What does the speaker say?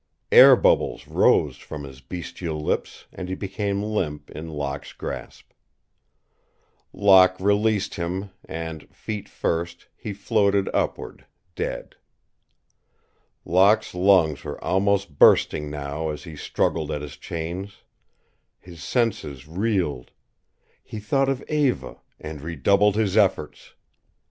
Air bubbles rose from his bestial lips and he became limp in Locke's grasp. Locke released him and, feet first, he floated upward, dead. Locke's lungs were almost bursting now as he struggled at his chains; his senses reeled; he thought of Eva, and redoubled his efforts.